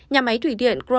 nhà máy thủy điện crona